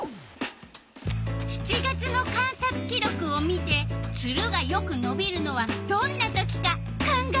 ７月の観察記録を見てツルがよくのびるのはどんな時か考えて！